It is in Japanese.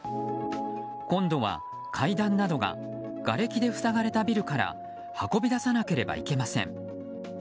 今度は階段などががれきで塞がれたビルから運び出さなければいけません。